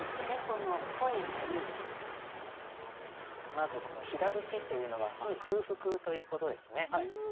まずこの「ひだるき」というのは空腹ということですね。